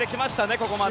ここまで。